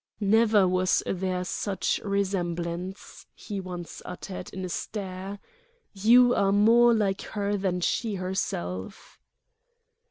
"Never was there such resemblance," he once uttered, in a stare. "You are more like her than she herself!"